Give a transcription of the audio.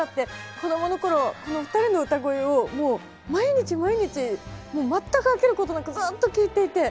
こどもの頃このお二人の歌声をもう毎日毎日全く飽きることなくずっと聴いていて。